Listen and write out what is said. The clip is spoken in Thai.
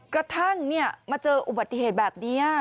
กระทั่งมาเจออุบัติเหตุแบบนี้